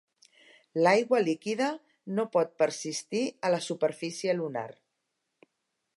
L'aigua líquida no pot persistir a la superfície lunar.